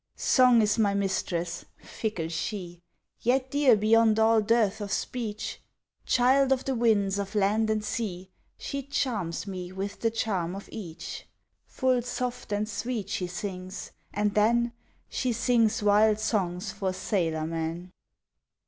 Song is my mistress, fickle she, Yet dear beyond all dearth of speech; Child of the winds of land and sea She charms me with the charm of each Full soft and sweet she sings and then She sings wild songs for sailor men!